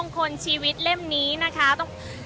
อาจจะออกมาใช้สิทธิ์กันแล้วก็จะอยู่ยาวถึงในข้ามคืนนี้เลยนะคะ